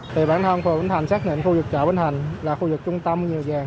từ bản thân phường bến thành xác nhận khu vực chợ bến thành là khu vực trung tâm nhiều vàng